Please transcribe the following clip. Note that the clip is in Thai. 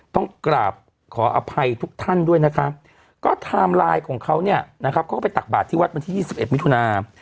ต้องกราบขออภัยทุกท่านด้วยนะคะก็ไทม์ไลน์ของเขาเนี่ยนะครับเขาก็ไปตักบาทที่วัดวันที่๒๑มิถุนา